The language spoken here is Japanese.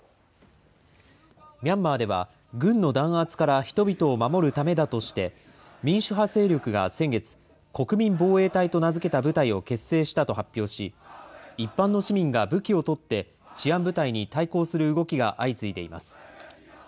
ミャンマーでは、軍の弾圧から人々を守るためだとして、民主派勢力が先月、国民防衛隊と名付けた部隊を結成したと発表し、一般の市民が武器を取って治安部隊に対抗する動きが相次いでいます。